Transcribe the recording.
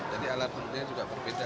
jadi alatnya juga berbeda